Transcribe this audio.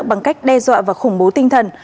bằng cách đe dọa và khủng bố tinh thần